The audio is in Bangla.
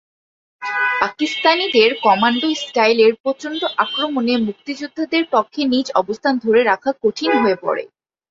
পাকিস্তানিদের কমান্ডো স্টাইলের প্রচণ্ড আক্রমণে মুক্তিযোদ্ধাদের পক্ষে নিজ অবস্থান ধরে রাখা কঠিন হয়ে পড়ে।